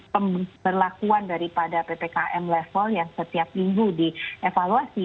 pemberlakuan daripada ppkm level yang setiap minggu dievaluasi